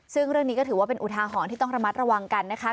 ซึ่งเรื่องนี้ก็ถือว่าเป็นอุทาหรณ์ที่ต้องระมัดระวังกันนะคะ